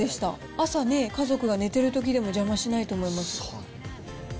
朝ね、家族が寝てるときでも邪魔しないと思います。